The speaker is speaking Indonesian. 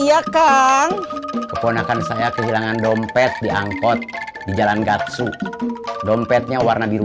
iya kang keponakan saya kehilangan dompet diangkut di jalan gatsu dompetnya warna di